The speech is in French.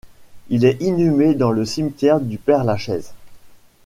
Il est inhumé dans le cimetière du Père-Lachaise.